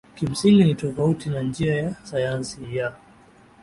kimsingi ni tofauti na njia ya sayansi ya